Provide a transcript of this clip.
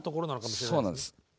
そうなんです。